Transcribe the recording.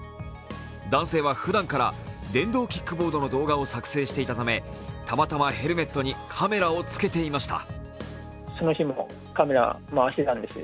男性はふだんから電動キックボードの動画を作成していたため、たまたまヘルメットにカメラを付けていました。